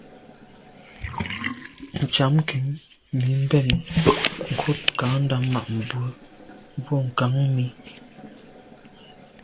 Ntsham nkin mi mbèn nkut kandà ma’ bwe boa ngàm mi.